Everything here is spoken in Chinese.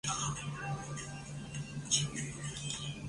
比克费尔德是奥地利施蒂利亚州魏茨县的一个市镇。